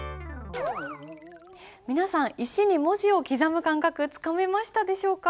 皆さん石に文字を刻む感覚つかめましたでしょうか？